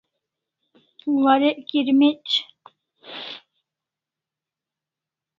Warek kirmec'